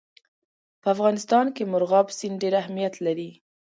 په افغانستان کې مورغاب سیند ډېر اهمیت لري.